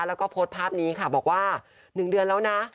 แล้วก็โพสต์ภาพนี้ค่ะบอกว่า๑เดือนแล้วนะ